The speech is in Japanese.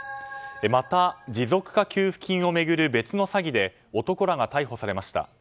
また持続化給付金を巡る別の詐欺で男らが逮捕されました。